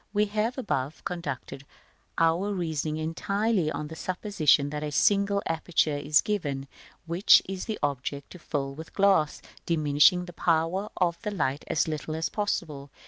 We have above conducted our reasoning entirely on the supposition that a single aperture is given, which it is the object to fill with glass, diminishing the power of the light as little as possible.